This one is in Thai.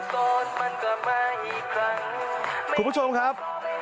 ขอบคุณผู้ชมครับ